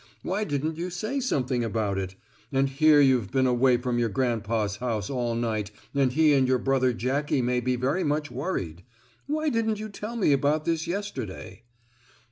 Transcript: Why didn't you say something about it? And here you've been away from your grandpa's house all night and he and your brother Jackie may be very much worried. Why didn't you tell me about this yesterday?"